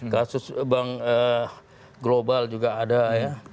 kasus bank global juga ada ya